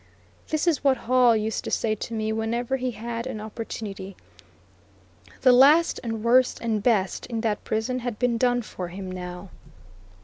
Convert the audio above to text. This is what Hall used to say to me whenever he had an opportunity. The last and worst and best in that prison had been done for him now.